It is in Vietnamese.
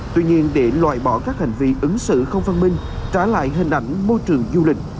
tuy nhiên để loại bỏ các hành vi ứng xử không văn minh trả lại hình ảnh môi trường du lịch